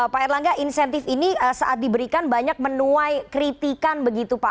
pak erlangga insentif ini saat diberikan banyak menuai kritikan begitu pak